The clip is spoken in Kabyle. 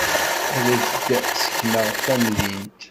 Ad ak-d-sekneɣ tamdint.